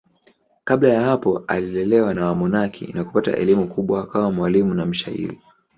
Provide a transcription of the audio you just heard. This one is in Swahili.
Kabla ya hapo alilelewa na wamonaki na kupata elimu kubwa akawa mwalimu na mshairi.